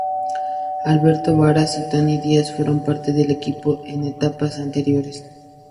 Alberto Varas y Tony Díaz fueron parte del equipo en etapas anteriores.